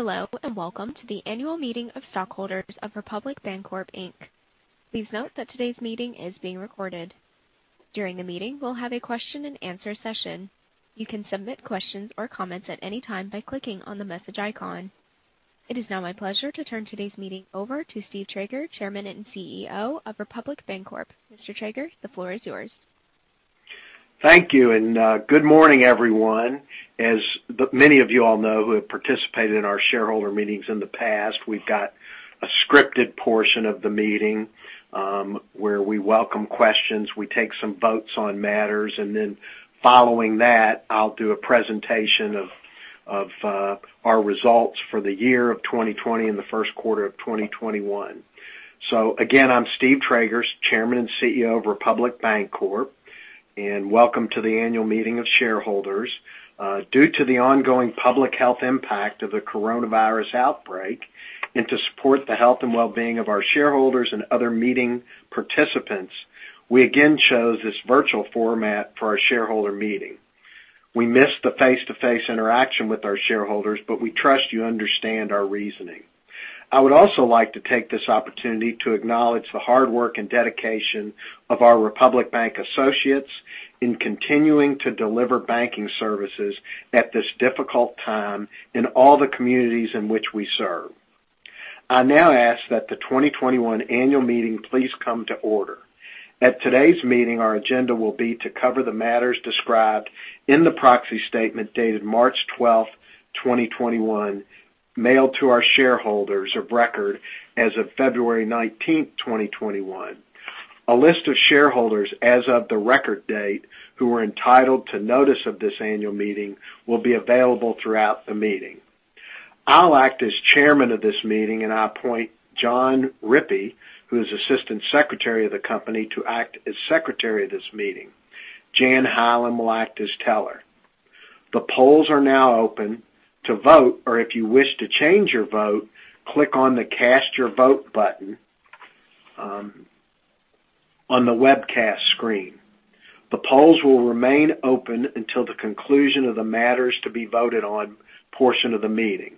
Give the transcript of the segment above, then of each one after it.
Hello, welcome to the annual meeting of stockholders of Republic Bancorp, Inc. Please note that today's meeting is being recorded. During the meeting, we'll have a question and answer session. You can submit questions or comments at any time by clicking on the message icon. It is now my pleasure to turn today's meeting over to Steve Trager, Chairman and CEO of Republic Bancorp, Inc. Mr. Trager, the floor is yours. Thank you, good morning, everyone. As many of you all know who have participated in our shareholder meetings in the past, we've got a scripted portion of the meeting, where we welcome questions, we take some votes on matters, then following that, I'll do a presentation of our results for the year of 2020 and the first quarter of 2021. Again, I'm Steve Trager, Chairman and CEO of Republic Bancorp, Inc., and welcome to the annual meeting of shareholders. Due to the ongoing public health impact of the coronavirus outbreak and to support the health and wellbeing of our shareholders and other meeting participants, we again chose this virtual format for our shareholder meeting. We miss the face-to-face interaction with our shareholders, but we trust you understand our reasoning. I would also like to take this opportunity to acknowledge the hard work and dedication of our Republic Bank associates in continuing to deliver banking services at this difficult time in all the communities in which we serve. I now ask that the 2021 annual meeting please come to order. At today's meeting, our agenda will be to cover the matters described in the proxy statement dated March 12, 2021, mailed to our shareholders of record as of February 19, 2021. A list of shareholders as of the record date who were entitled to notice of this annual meeting will be available throughout the meeting. I'll act as chairman of this meeting, and I appoint John Rippy, who is assistant secretary of the company, to act as secretary of this meeting. Jan Hollum will act as teller. The polls are now open. To vote, or if you wish to change your vote, click on the Cast Your Vote button on the webcast screen. The polls will remain open until the conclusion of the matters to be voted on portion of the meeting.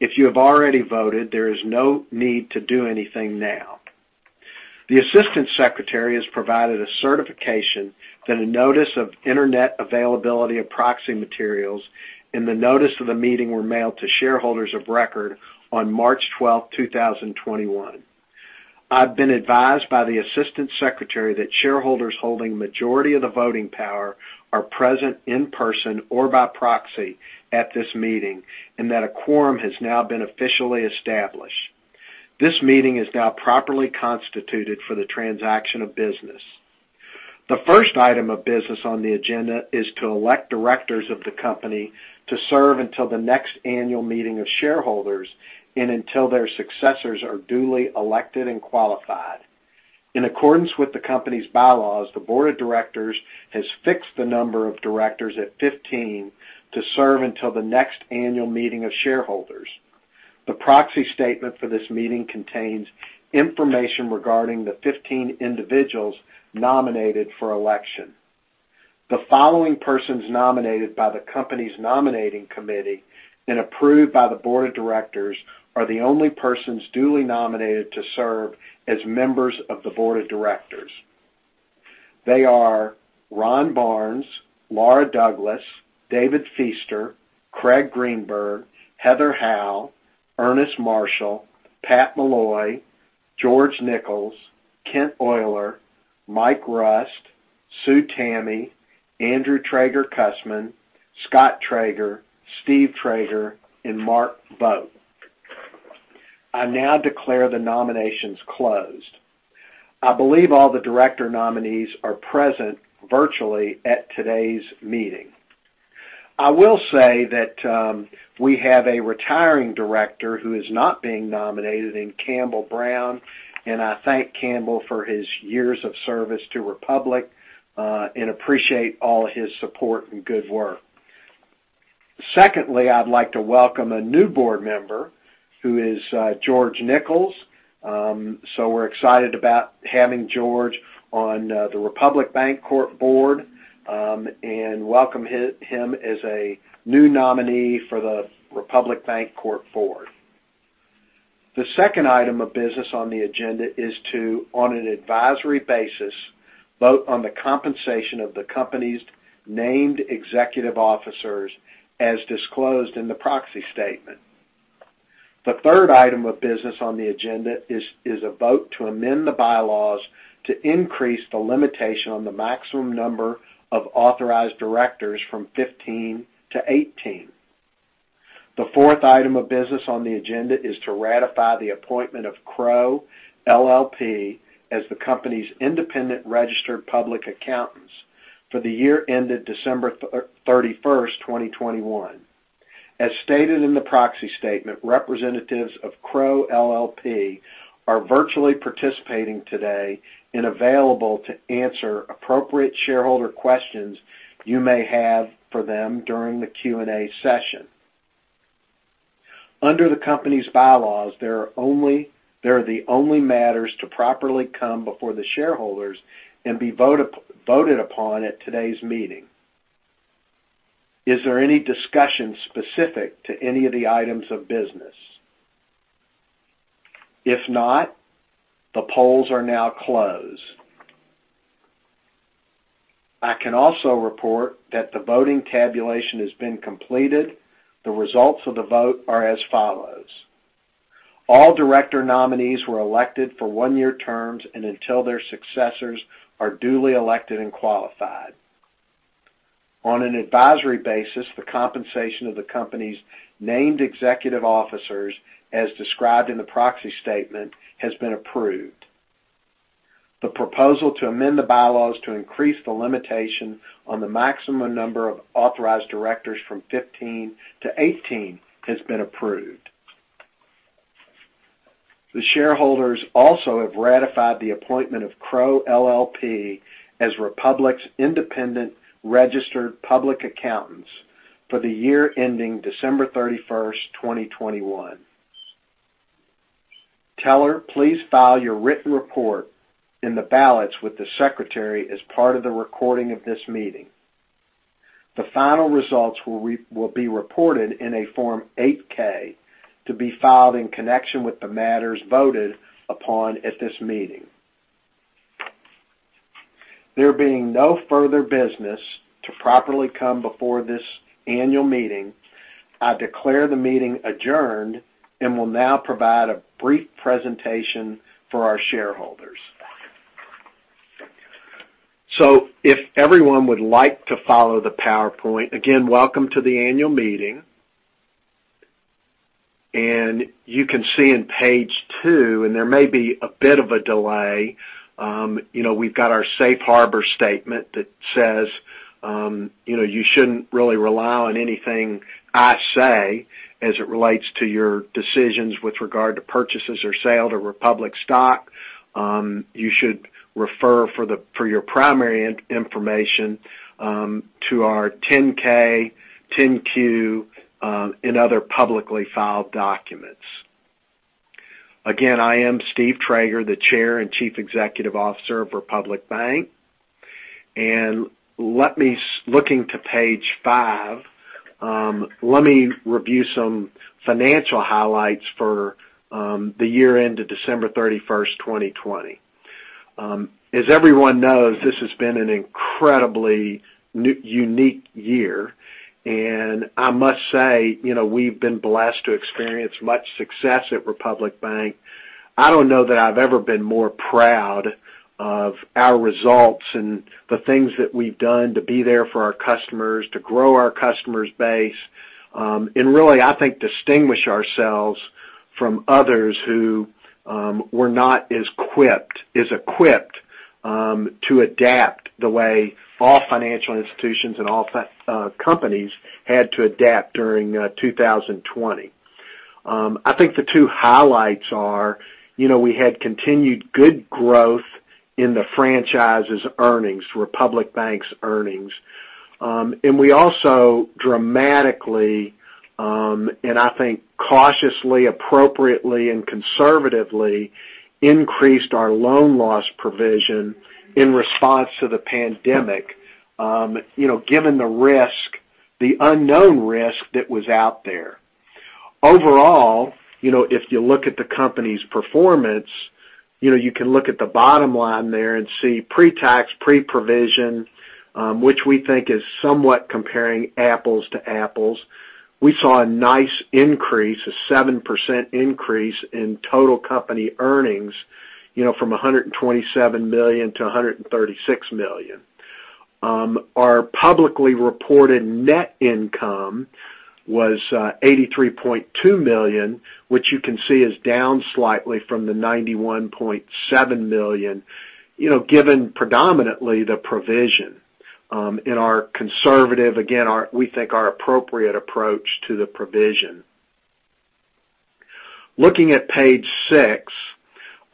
If you have already voted, there is no need to do anything now. The assistant secretary has provided a certification that a notice of internet availability of proxy materials in the notice of the meeting were mailed to shareholders of record on March 12, 2021. I've been advised by the assistant secretary that shareholders holding the majority of the voting power are present in person or by proxy at this meeting, and that a quorum has now been officially established. This meeting is now properly constituted for the transaction of business. The first item of business on the agenda is to elect Directors of the company to serve until the next annual meeting of shareholders and until their successors are duly elected and qualified. In accordance with the company's bylaws, the Board of Directors has fixed the number of Directors at 15 to serve until the next annual meeting of shareholders. The proxy statement for this meeting contains information regarding the 15 individuals nominated for election. The following persons nominated by the company's nominating committee and approved by the Board of Directors are the only persons duly nominated to serve as members of the Board of Directors. They are Ron Barnes, Laura Douglas, David Feaster, Craig Greenberg, Heather Howell, Ernest Marshall, Pat Mulloy, George Nichols, Ken Oyler, Mike Rust, Sue Tamme, Andrew Trager-Kusman, Scott Trager, Steve Trager, and Mark Vogt. I now declare the nominations closed. I believe all the Director nominees are present virtually at today's meeting. I will say that we have a retiring Director who is not being nominated in Campbell Brown, and I thank Campbell for his years of service to Republic Bancorp, and appreciate all his support and good work. I'd like to welcome a new Board member, who is George Nichols. We're excited about having George on the Republic Bancorp Board, and welcome him as a new nominee for the Republic Bancorp Board. The second item of business on the agenda is to, on an advisory basis, vote on the compensation of the company's named executive officers as disclosed in the proxy statement. The third item of business on the agenda is a vote to amend the bylaws to increase the limitation on the maximum number of authorized Directors from 15 to 18. The fourth item of business on the agenda is to ratify the appointment of Crowe LLP as the company's independent registered public accountants for the year ended December 31st, 2021. As stated in the proxy statement, representatives of Crowe LLP are virtually participating today and available to answer appropriate shareholder questions you may have for them during the Q&A session. Under the company's bylaws, they are the only matters to properly come before the shareholders and be voted upon at today's meeting. Is there any discussion specific to any of the items of business? If not, the polls are now closed. I can also report that the voting tabulation has been completed. The results of the vote are as follows. All Director nominees were elected for one-year terms and until their successors are duly elected and qualified. On an advisory basis, the compensation of the company's named executive officers, as described in the proxy statement, has been approved. The proposal to amend the bylaws to increase the limitation on the maximum number of authorized Directors from 15 to 18 has been approved. The shareholders also have ratified the appointment of Crowe LLP as Republic's independent registered public accountants for the year ending December 31, 2021. Teller, please file your written report and the ballots with the secretary as part of the recording of this meeting. The final results will be reported in a Form 8-K to be filed in connection with the matters voted upon at this meeting. There being no further business to properly come before this annual meeting, I declare the meeting adjourned and will now provide a brief presentation for our shareholders. If everyone would like to follow the PowerPoint, again, welcome to the annual meeting. You can see on page two, and there may be a bit of a delay. We've got our safe harbor statement that says, you shouldn't really rely on anything I say as it relates to your decisions with regard to purchases or sale to Republic stock. You should refer for your primary information, to our 10-K, 10-Q, and other publicly filed documents. Again, I am Steve Trager, the Chair and Chief Executive Officer of Republic Bank. Looking to page five, let me review some financial highlights for the year end of December 31st, 2020. As everyone knows, this has been an incredibly unique year, and I must say, we've been blessed to experience much success at Republic Bank. I don't know that I've ever been more proud of our results and the things that we've done to be there for our customers, to grow our customers base, and really, I think, distinguish ourselves from others who were not as equipped to adapt the way all financial institutions and all companies had to adapt during 2020. I think the two highlights are, we had continued good growth in the franchise's earnings, Republic Bank's earnings. We also dramatically, and I think cautiously, appropriately, and conservatively, increased our loan loss provision in response to the pandemic, given the unknown risk that was out there. Overall, if you look at the company's performance, you can look at the bottom line there and see pre-tax, pre-provision, which we think is somewhat comparing apples to apples. We saw a nice increase, a 7% increase in total company earnings, from $127 million to $136 million. Our publicly reported net income was $83.2 million, which you can see is down slightly from the $91.7 million, given predominantly the provision, in our conservative, again, we think our appropriate approach to the provision. Looking at page six,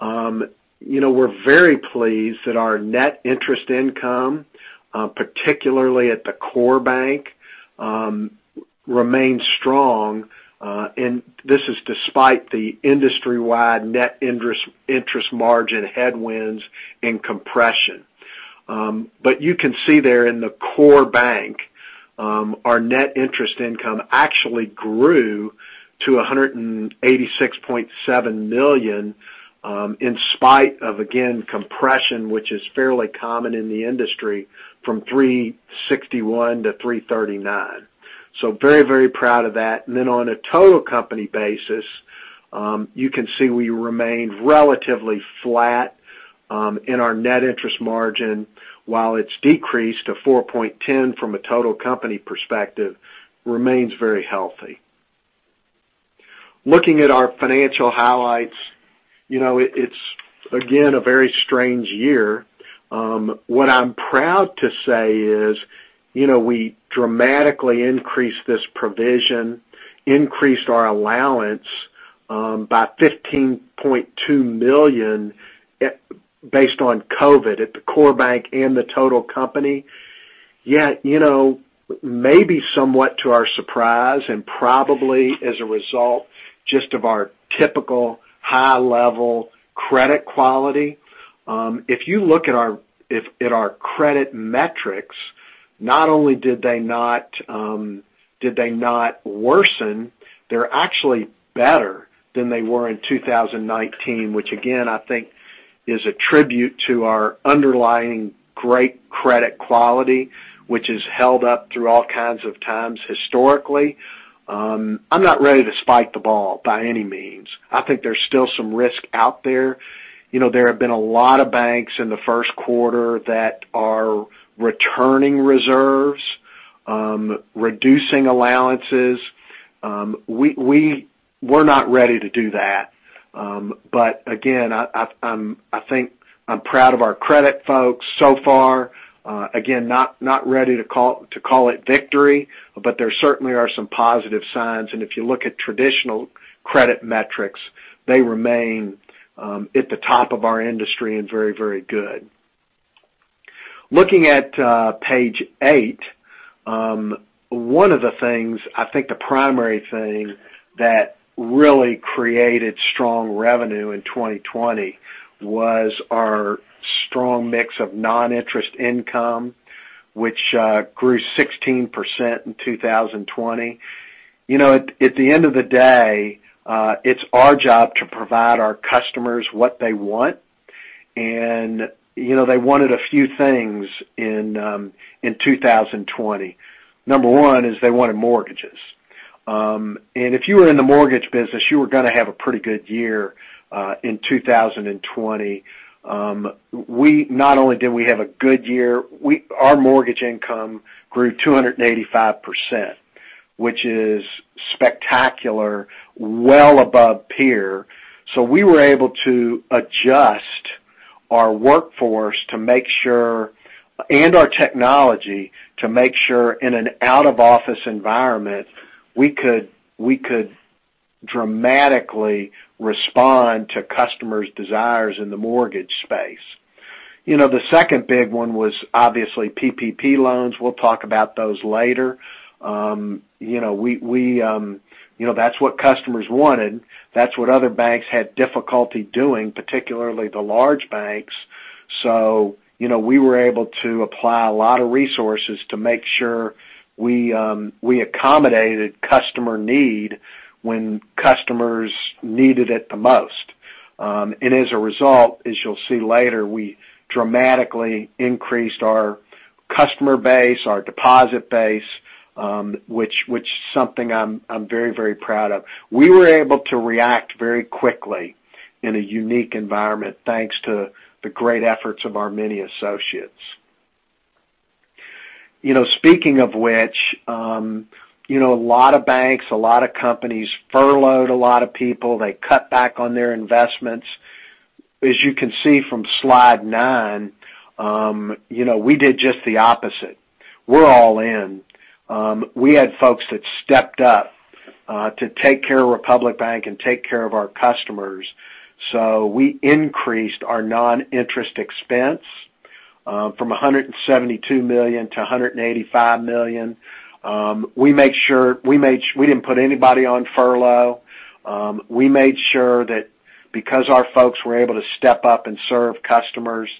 we're very pleased that our net interest income, particularly at the core bank, remains strong. This is despite the industry-wide net interest margin headwinds and compression. You can see there in the core bank, our net interest income actually grew to $186.7 million, in spite of, again, compression, which is fairly common in the industry, from 3.61% to 3.39%. Very proud of that. On a total company basis, you can see we remained relatively flat in our net interest margin. While it's decreased to 4.10% from a total company perspective, remains very healthy. Looking at our financial highlights, it's again, a very strange year. What I'm proud to say is, we dramatically increased this provision, increased our allowance by $15.2 million based on COVID at the core bank and the total company. Yet, maybe somewhat to our surprise, and probably as a result just of our typical high-level credit quality. If you look at our credit metrics, not only did they not worsen, they're actually better than they were in 2019, which again, I think is a tribute to our underlying great credit quality, which is held up through all kinds of times historically. I'm not ready to spike the ball by any means. I think there's still some risk out there. There have been a lot of banks in the first quarter that are returning reserves, reducing allowances. We're not ready to do that. Again, I think I'm proud of our credit folks so far. Again, not ready to call it victory, but there certainly are some positive signs, and if you look at traditional credit metrics, they remain at the top of our industry and very good. Looking at page eight, one of the things, I think the primary thing that really created strong revenue in 2020 was our strong mix of non-interest income, which grew 16% in 2020. At the end of the day, it's our job to provide our customers what they want, and they wanted a few things in 2020. Number one is they wanted mortgages. If you were in the mortgage business, you were going to have a pretty good year in 2020. Not only did we have a good year, our mortgage income grew 285%, which is spectacular, well above peer. We were able to adjust our workforce and our technology to make sure in an out-of-office environment, we could dramatically respond to customers' desires in the mortgage space. The second big one was obviously PPP loans. We'll talk about those later. That's what customers wanted. That's what other banks had difficulty doing, particularly the large banks. We were able to apply a lot of resources to make sure we accommodated customer need when customers needed it the most. As a result, as you'll see later, we dramatically increased our customer base, our deposit base, which is something I'm very proud of. We were able to react very quickly in a unique environment, thanks to the great efforts of our many associates. Speaking of which, a lot of banks, a lot of companies furloughed a lot of people. They cut back on their investments. As you can see from slide nine, we did just the opposite. We're all in. We had folks that stepped up to take care of Republic Bank and take care of our customers. We increased our non-interest expense from $172 million to $185 million. We didn't put anybody on furlough. We made sure that because our folks were able to step up and serve customers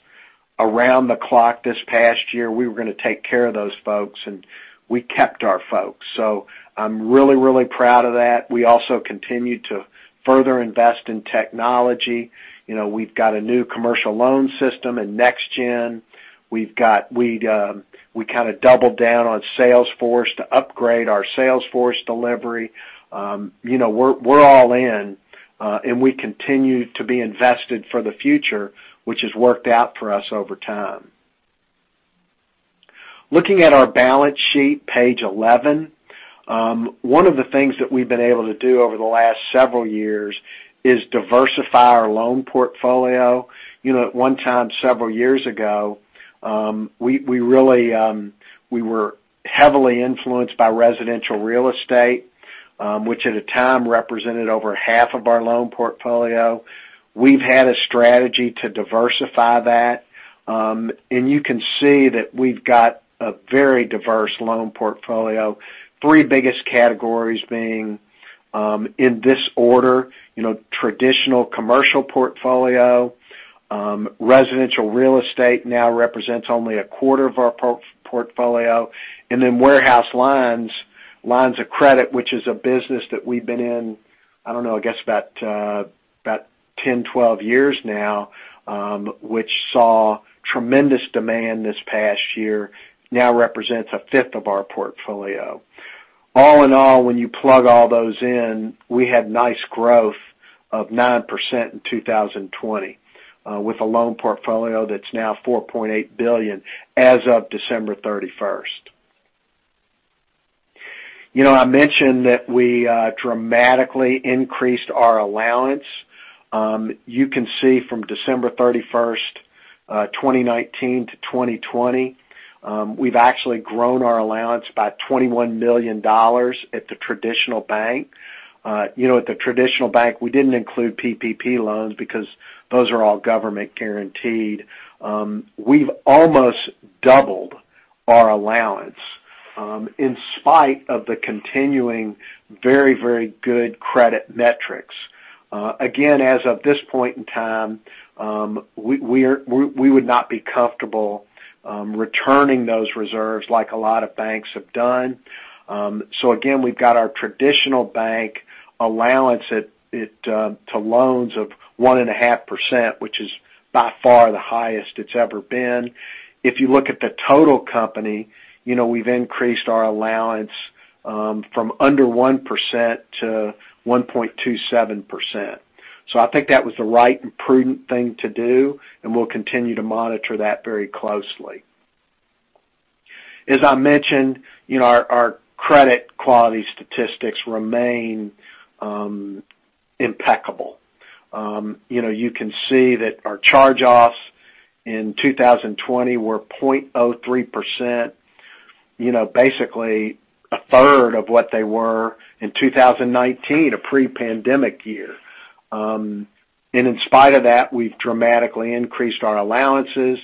around the clock this past year, we were going to take care of those folks, and we kept our folks. I'm really proud of that. We also continued to further invest in technology. We've got a new commercial loan system in NextGen. We kind of doubled down on Salesforce to upgrade our Salesforce delivery. We're all in. We continue to be invested for the future, which has worked out for us over time. Looking at our balance sheet, page 11, one of the things that we've been able to do over the last several years is diversify our loan portfolio. At one time, several years ago, we were heavily influenced by residential real estate, which at the time represented over half of our loan portfolio. We've had a strategy to diversify that. You can see that we've got a very diverse loan portfolio, three biggest categories being, in this order, traditional commercial portfolio. Residential real estate now represents only a quarter of our portfolio. Warehouse lines of credit, which is a business that we've been in, I don't know, I guess about 10, 12 years now, which saw tremendous demand this past year, now represents a fifth of our portfolio. All in all, when you plug all those in, we had nice growth of 9% in 2020 with a loan portfolio that's now $4.8 billion as of December 31st. I mentioned that we dramatically increased our allowance. You can see from December 31st, 2019 to 2020, we've actually grown our allowance by $21 million at the traditional bank. At the traditional bank, we didn't include PPP loans because those are all government guaranteed. We've almost doubled our allowance, in spite of the continuing very, very good credit metrics. Again, as of this point in time, we would not be comfortable returning those reserves like a lot of banks have done. Again, we've got our traditional bank allowance to loans of 1.5%, which is by far the highest it's ever been. If you look at the total company, we've increased our allowance from under 1% to 1.27%. I think that was the right and prudent thing to do, and we'll continue to monitor that very closely. As I mentioned, our credit quality statistics remain impeccable. You can see that our charge-offs in 2020 were 0.03%, basically a third of what they were in 2019, a pre-pandemic year. In spite of that, we've dramatically increased our allowances.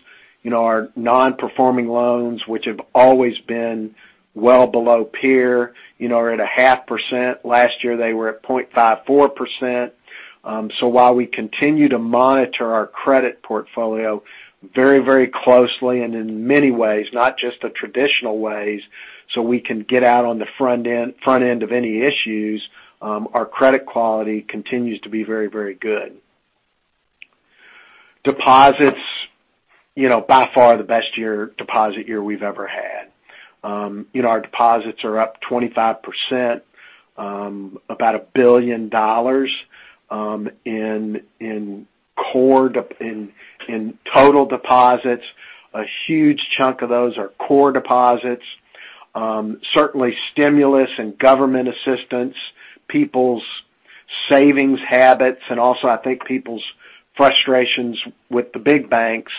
Our non-performing loans, which have always been well below peer, are at 0.5%. Last year, they were at 0.54%. While we continue to monitor our credit portfolio very closely and in many ways, not just the traditional ways, so we can get out on the front end of any issues, our credit quality continues to be very, very good. Deposits, by far the best deposit year we've ever had. Our deposits are up 25%, about $1 billion in total deposits. A huge chunk of those are core deposits. Certainly stimulus and government assistance, people's savings habits, and also, I think people's frustrations with the big banks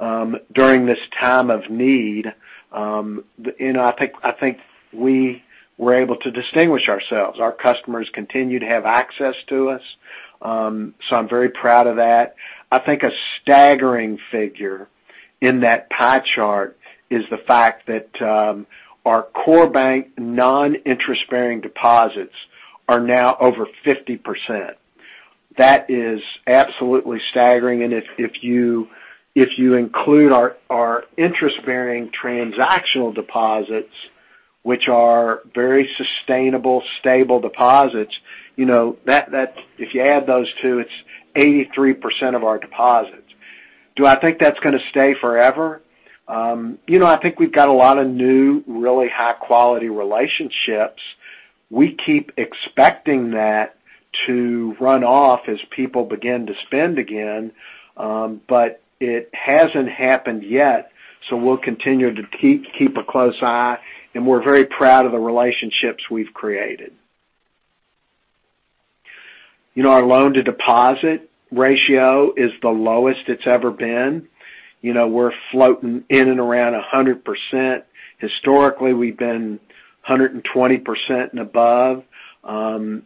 during this time of need. I think we were able to distinguish ourselves. Our customers continue to have access to us, so I'm very proud of that. I think a staggering figure in that pie chart is the fact that our core bank non-interest-bearing deposits are now over 50%. That is absolutely staggering. If you include our interest-bearing transactional deposits, which are very sustainable, stable deposits, if you add those two, it's 83% of our deposits. Do I think that's going to stay forever? I think we've got a lot of new, really high-quality relationships. We keep expecting that to run off as people begin to spend again. It hasn't happened yet, so we'll continue to keep a close eye, and we're very proud of the relationships we've created. Our loan-to-deposit ratio is the lowest it's ever been. We're floating in and around 100%. Historically, we've been 120% and above. The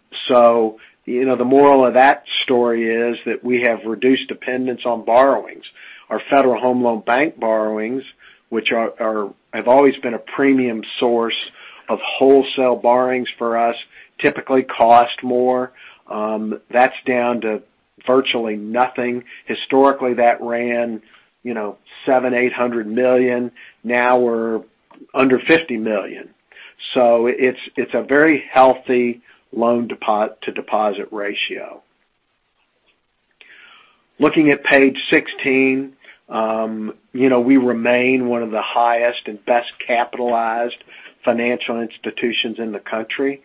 moral of that story is that we have reduced dependence on borrowings. Our Federal Home Loan Bank borrowings, which have always been a premium source of wholesale borrowings for us, typically cost more. That's down to virtually nothing. Historically, that ran $700 million, $800 million. We're under $50 million. It's a very healthy loan-to-deposit ratio. Looking at page 16, we remain one of the highest and best capitalized financial institutions in the country.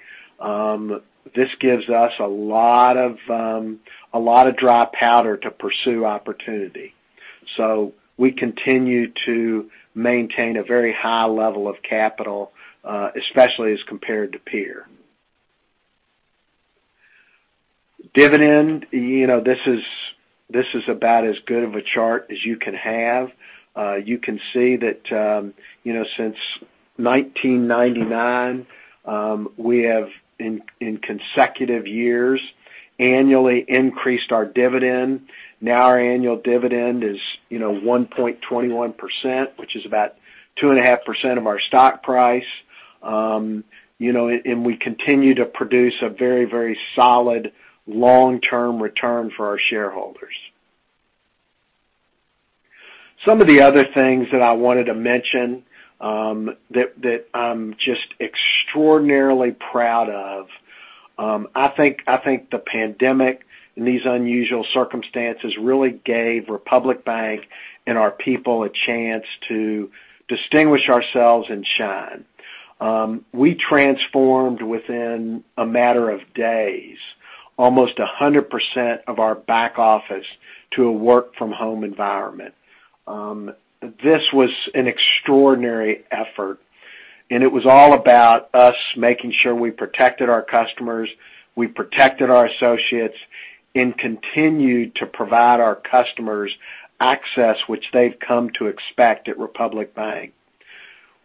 This gives us a lot of dry powder to pursue opportunity. We continue to maintain a very high level of capital, especially as compared to peer. Dividend, this is about as good of a chart as you can have. You can see that since 1999, we have, in consecutive years, annually increased our dividend. Our annual dividend is 1.21%, which is about 2.5% of our stock price. We continue to produce a very, very solid long-term return for our shareholders. Some of the other things that I wanted to mention that I'm just extraordinarily proud of, I think the pandemic and these unusual circumstances really gave Republic Bank and our people a chance to distinguish ourselves and shine. We transformed within a matter of days, almost 100% of our back office to a work-from-home environment. This was an extraordinary effort, and it was all about us making sure we protected our customers, we protected our associates, and continued to provide our customers access which they've come to expect at Republic Bank.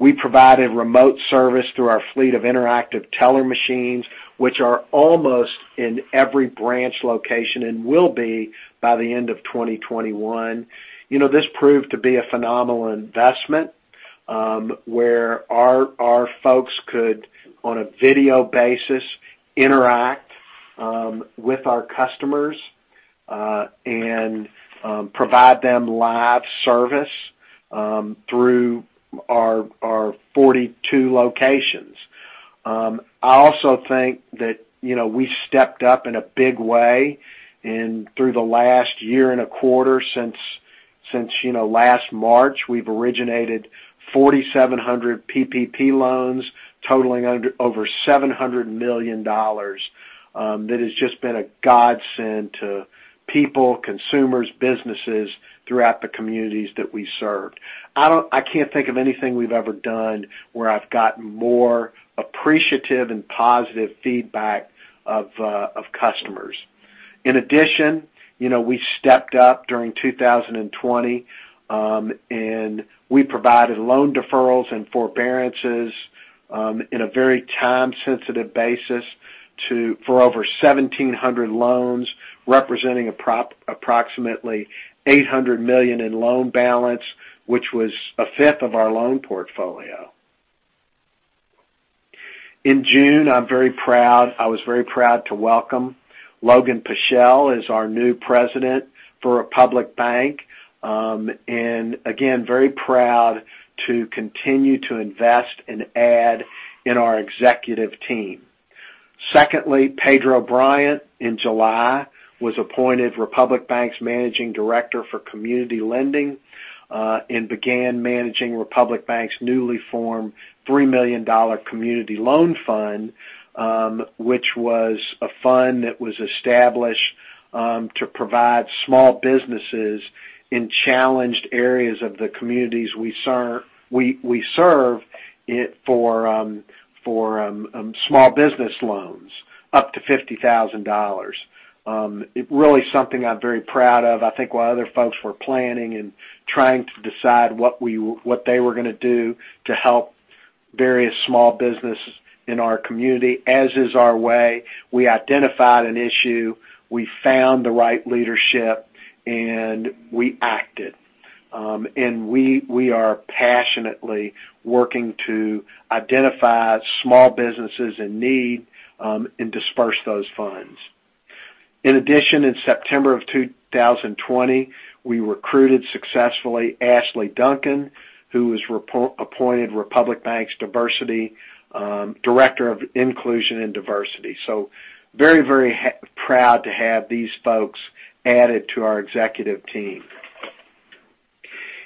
We provided remote service through our fleet of interactive teller machines, which are almost in every branch location and will be by the end of 2021. This proved to be a phenomenal investment, where our folks could, on a video basis, interact with our customers and provide them live service through our 42 locations. I also think that we stepped up in a big way through the last year and a quarter since last March. We've originated 4,700 PPP loans totaling over $700 million. That has just been a godsend to people, consumers, businesses throughout the communities that we serve. I can't think of anything we've ever done where I've gotten more appreciative and positive feedback of customers. In addition, we stepped up during 2020, and we provided loan deferrals and forbearances in a very time-sensitive basis for over 1,700 loans, representing approximately $800 million in loan balance, which was a fifth of our loan portfolio. In June, I was very proud to welcome Logan Pichel as our new President for Republic Bank, and again, very proud to continue to invest and add in our executive team. Pedro Bryant, in July, was appointed Republic Bank's Managing Director for Community Lending, and began managing Republic Bank's newly formed $3 million Community Loan Fund, which was a fund that was established to provide small businesses in challenged areas of the communities we serve for small business loans up to $50,000. It's really something I'm very proud of. I think while other folks were planning and trying to decide what they were going to do to help various small businesses in our community, as is our way, we identified an issue, we found the right leadership, and we acted. We are passionately working to identify small businesses in need and disperse those funds. In addition, in September of 2020, we recruited successfully Ashley Duncan, who was appointed Republic Bank's Director of Inclusion and Diversity. Very proud to have these folks added to our executive team.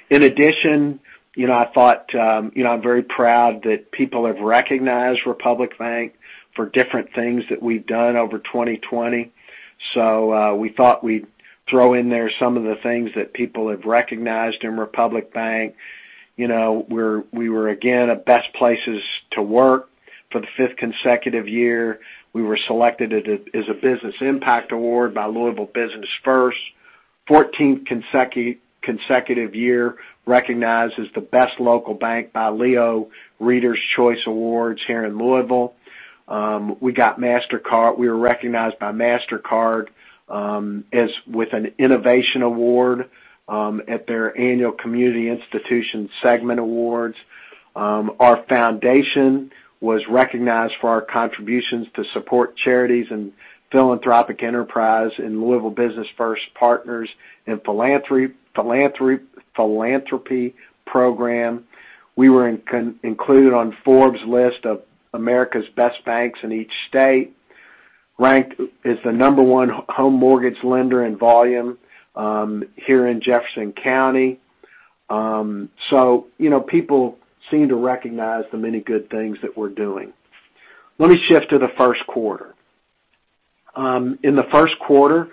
In addition, I'm very proud that people have recognized Republic Bank for different things that we've done over 2020. We thought we'd throw in there some of the things that people have recognized in Republic Bank. We were, again, a Best Places to Work for the fifth consecutive year. We were selected as a Business Impact Award by Louisville Business First. 14th consecutive year recognized as the Best Local Bank by LEO Readers' Choice Awards here in Louisville. We were recognized by Mastercard with an Innovation Award at their annual Community Institution Segment Awards. Our foundation was recognized for our contributions to support charities and philanthropic enterprise in Louisville Business First Partners in Philanthropy program. We were included on Forbes list of America's Best Banks in each state, ranked as the number one home mortgage lender in volume here in Jefferson County. People seem to recognize the many good things that we're doing. Let me shift to the first quarter. In the first quarter,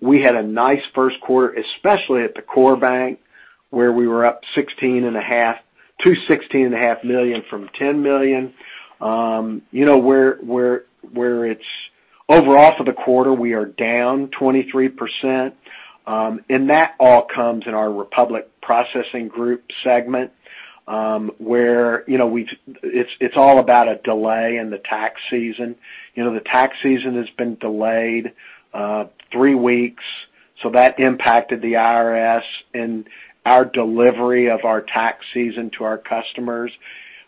we had a nice first quarter, especially at the core bank, where we were up to $16.5 million from $10 million. Overall for the quarter, we are down 23%, and that all comes in our Republic Processing Group segment, where it's all about a delay in the tax season. The tax season has been delayed three weeks, so that impacted the IRS and our delivery of our tax season to our customers.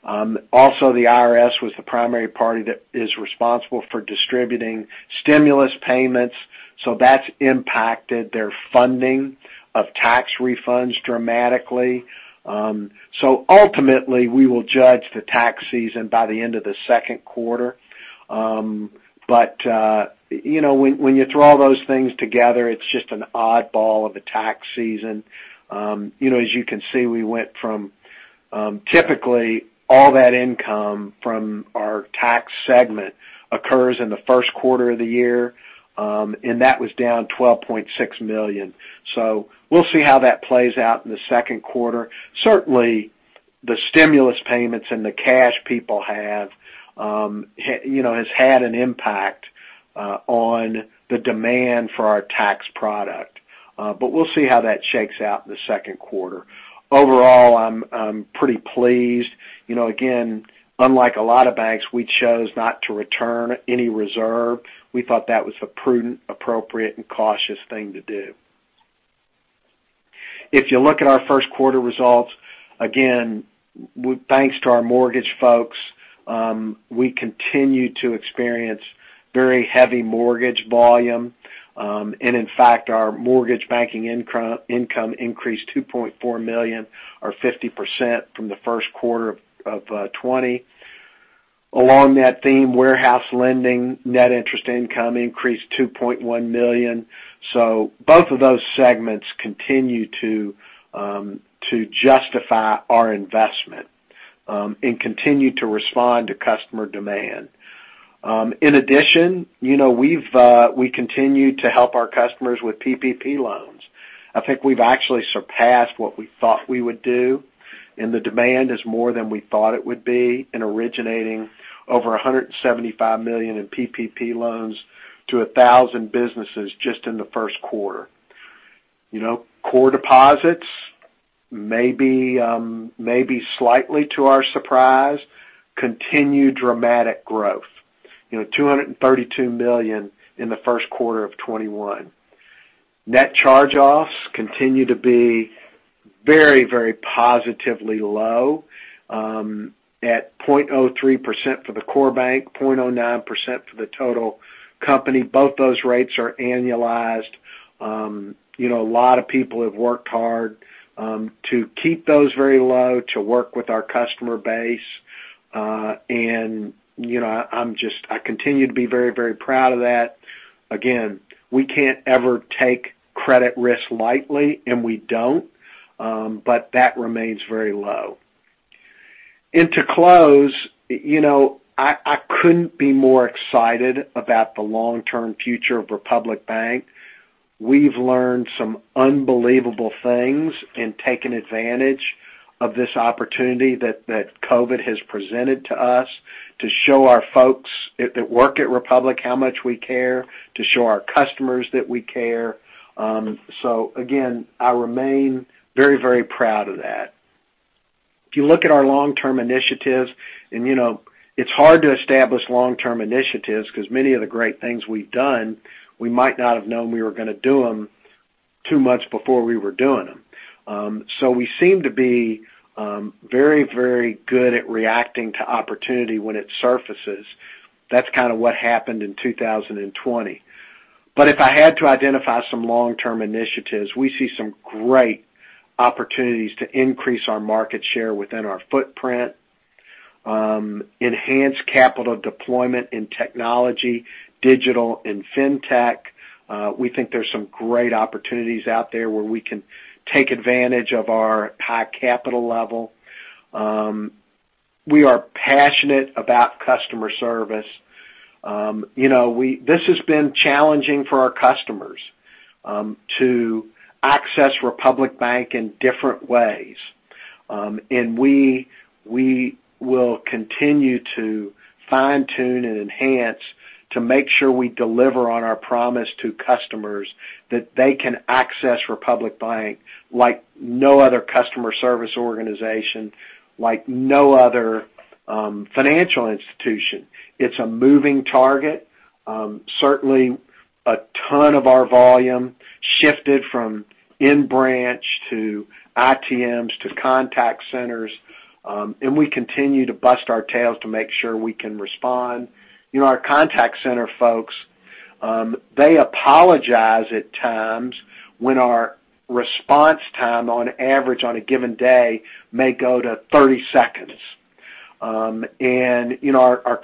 Also, the IRS was the primary party that is responsible for distributing stimulus payments, so that's impacted their funding of tax refunds dramatically. Ultimately, we will judge the tax season by the end of the second quarter. When you throw all those things together, it's just an oddball of a tax season. As you can see, typically, all that income from our tax segment occurs in the first quarter of the year. That was down $12.6 million. We'll see how that plays out in the second quarter. Certainly, the stimulus payments and the cash people have has had an impact on the demand for our tax product. We'll see how that shakes out in the second quarter. Overall, I'm pretty pleased. Again, unlike a lot of banks, we chose not to return any reserve. We thought that was a prudent, appropriate, and cautious thing to do. If you look at our first quarter results, again, thanks to our mortgage folks, we continue to experience very heavy mortgage volume. In fact, our mortgage banking income increased $2.4 million or 50% from the first quarter of 2020. Along that theme, warehouse lending net interest income increased $2.1 million. Both of those segments continue to justify our investment, and continue to respond to customer demand. In addition, we continue to help our customers with PPP loans. I think we've actually surpassed what we thought we would do, and the demand is more than we thought it would be in originating over $175 million in PPP loans to 1,000 businesses just in the first quarter. Core deposits, maybe slightly to our surprise, continued dramatic growth. $232 million in the first quarter of 2021. Net charge-offs continue to be very, very positively low, at 0.03% for the core bank, 0.09% for the total company. Both those rates are annualized. A lot of people have worked hard to keep those very low, to work with our customer base. I continue to be very, very proud of that. Again, we can't ever take credit risk lightly, and we don't. That remains very low. To close, I couldn't be more excited about the long-term future of Republic Bank. We've learned some unbelievable things in taking advantage of this opportunity that COVID has presented to us to show our folks that work at Republic how much we care, to show our customers that we care. Again, I remain very proud of that. If you look at our long-term initiatives, and it's hard to establish long-term initiatives because many of the great things we've done, we might not have known we were going to do them two months before we were doing them. We seem to be very good at reacting to opportunity when it surfaces. That's kind of what happened in 2020. If I had to identify some long-term initiatives, we see some great opportunities to increase our market share within our footprint, enhance capital deployment in technology, digital, and fintech. We think there's some great opportunities out there where we can take advantage of our high capital level. We are passionate about customer service. This has been challenging for our customers to access Republic Bank in different ways. We will continue to fine-tune and enhance to make sure we deliver on our promise to customers that they can access Republic Bank like no other customer service organization, like no other financial institution. It's a moving target. Certainly, a ton of our volume shifted from in-branch to ITMs to contact centers, and we continue to bust our tails to make sure we can respond. Our contact center folks, they apologize at times when our response time, on average, on a given day, may go to 30 seconds. Our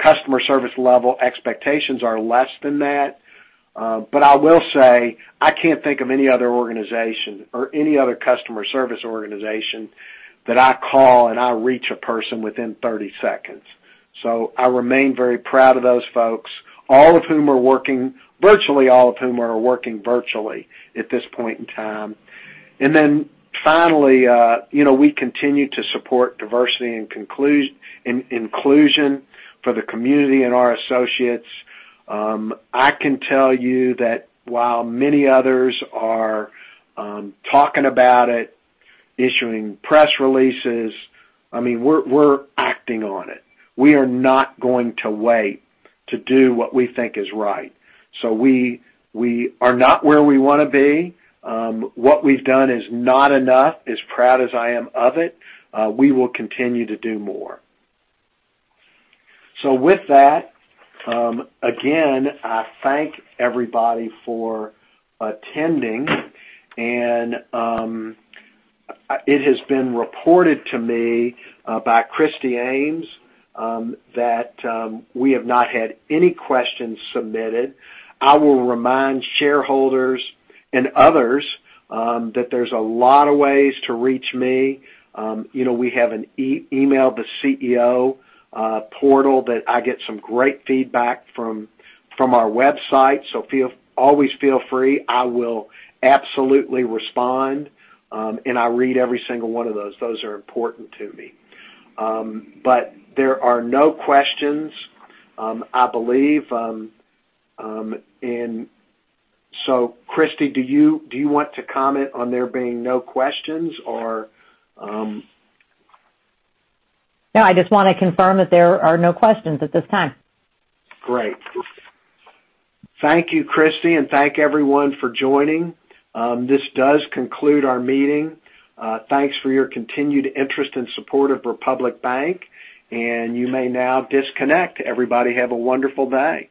customer service level expectations are less than that. I will say, I can't think of any other organization or any other customer service organization that I call and I reach a person within 30 seconds. I remain very proud of those folks. Virtually all of whom are working virtually at this point in time. Finally, we continue to support Diversity and Inclusion for the community and our associates. I can tell you that while many others are talking about it, issuing press releases, we're acting on it. We are not going to wait to do what we think is right. We are not where we want to be. What we've done is not enough, as proud as I am of it. We will continue to do more. With that, again, I thank everybody for attending. It has been reported to me by Christy Ames that we have not had any questions submitted. I will remind shareholders and others, that there's a lot of ways to reach me. We have an email the CEO portal that I get some great feedback from our website. Always feel free. I will absolutely respond, and I read every single one of those. Those are important to me. There are no questions, I believe. Christy, do you want to comment on there being no questions or? No, I just want to confirm that there are no questions at this time. Great. Thank you, Christy, and thank everyone for joining. This does conclude our meeting. Thanks for your continued interest and support of Republic Bank, and you may now disconnect. Everybody have a wonderful day.